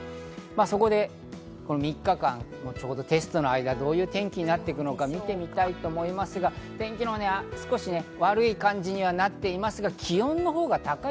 そこで３日間テストの間、どういう天気になっていくのか、見てみたいと思いますが、少し天気が悪い感じになっていますが、気温の方が高い。